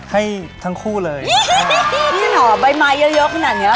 ให้ทั้งคู่เลยครับอื้อหรอใบไม้เยอะขนาดนี้แล้วเหรอ